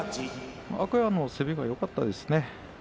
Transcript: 天空海の攻めよかったですね。